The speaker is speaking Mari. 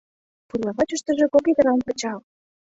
Пурла вачыштыже — кок йытыран пычал.